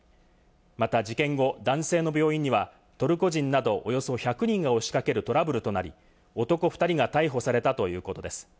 また事件後、男性の病院にはトルコ人などおよそ１００人が押しかけるトラブルとなり、男２人が逮捕されたということです。